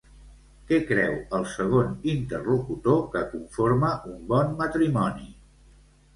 Què creu el segon interlocutor que conforma un bon matrimoni?